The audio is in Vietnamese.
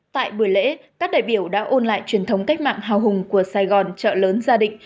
tại buổi lễ các đại biểu đã ôn lại truyền thống cách mạng hào hùng của sài gòn trợ lớn gia đình